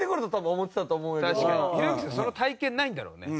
その体験ないんだろうね。